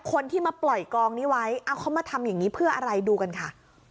คนที่มาปล่อยกองนี้ไว้เอาเขามาทำอย่างนี้เพื่ออะไรดูกันค่ะ